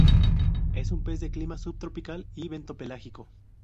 Es un pez de clima subtropical y bentopelágico.